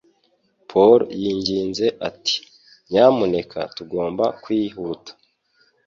Paul yinginze ati: "Nyamuneka, tugomba kwihuta."